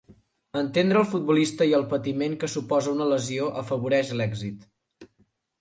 Entendre el futbolista i el patiment que suposa una lesió afavoreix l'èxit.